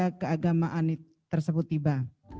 kedatian keagamaan tersebut tiba